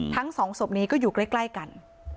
ทั้งสองศพนี้ก็อยู่ใกล้กัน